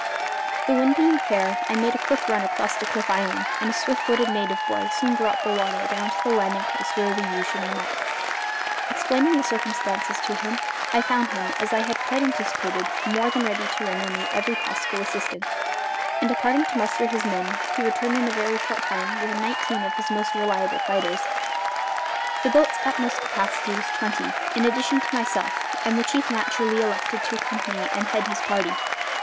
The wind being fair, I made a quick run across to Cliff Island; and a swift footed native boy soon brought Bowata down to the landing place where we usually met. Explaining the circumstances to him, I found him, as I had quite anticipated, more than ready to render me every possible assistance; and, departing to muster his men, he returned in a very short time with nineteen of his most reliable fighters the boat's utmost capacity was twenty, in addition to myself, and the chief naturally elected to accompany and head his party.